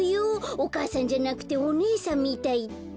お母さんじゃなくておねえさんみたいって。